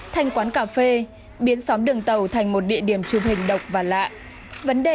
thành quán cà phê biến xóm đường tàu thành một địa điểm chung hình độc và lạ vấn đề